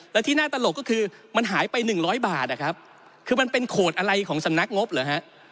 แล้วที่น่าตลกก็คือมันหายไป๑๐๐บาทคือมันเป็นโขดอะไรของสำนักงบหรือ